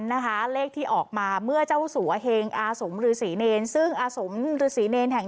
นะคะเลขที่ออกมาเมื่อเจ้าสัวเฮงอาสมฤษีเนรซึ่งอาสมฤษีเนรแห่ง